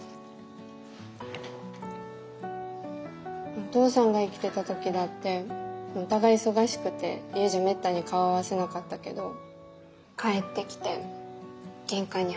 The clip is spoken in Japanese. お父さんが生きてた時だってお互い忙しくて家じゃめったに顔合わせなかったけど帰ってきて玄関に入るとね